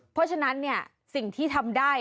เพราะฉะนั้นสิ่งที่ทำได้